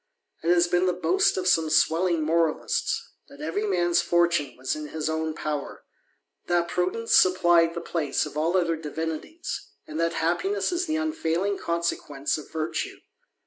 It has been the boast some swelling moralists, that every man's fortune was in h own power, that prudence supplied the place of all oth THE ADVENTURER. 259 <Kvimties, and that happiness is the unfailing consequence of virtue.